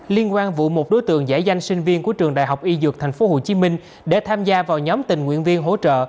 liên quan vụ một đối tượng giải danh sinh viên của trường đại học y dược thành phố hồ chí minh để tham gia vào nhóm tình nguyện viên hỗ trợ